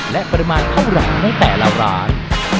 และปริมาณเท่าไหร่ในแต่ละร้าน